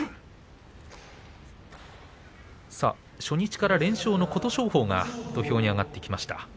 初日から連勝の琴勝峰が土俵に上がってきました。